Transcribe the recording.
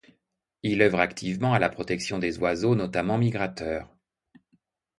Il œuvre activement à la protection des oiseaux, notamment migrateurs.